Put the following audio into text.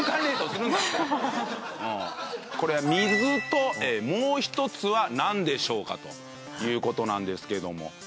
これは水ともう１つは何でしょうか？ということなんですけども。